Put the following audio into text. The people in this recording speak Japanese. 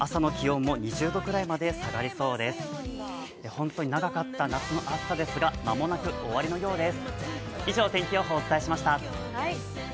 本当に長かった夏の暑さでしたけれども間もなく終わりそうです。